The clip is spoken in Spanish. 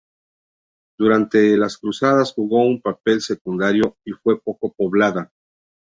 Durante las Cruzadas jugó un papel secundario y fue poco poblada.